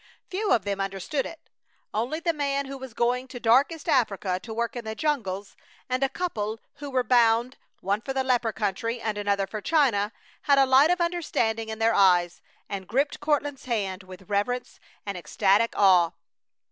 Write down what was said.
Few of them understood it. Only the man who was going to darkest Africa to work in the jungles, and a couple who were bound, one for the leper country, and another for China, had a light of understanding in their eyes, and gripped Courtland's hand with reverence and ecstatic awe.